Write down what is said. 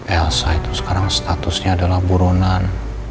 elsa itu sekarang statusnya adalah buronan